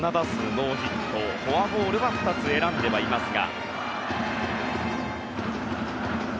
ノーヒットフォアボールは２つ選んではいますが。